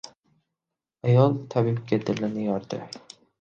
Ayol tabibga dilini yordi